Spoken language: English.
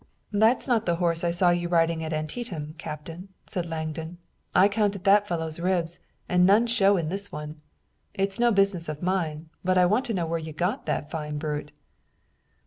"That's not the horse I saw you riding at Antietam, Captain," said Langdon. "I counted that fellow's ribs, and none show in this one. It's no business of mine, but I want to know where you got that fine brute."